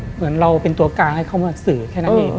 เหมือนเราเป็นตัวกลางให้เขามาสื่อแค่นั้นเอง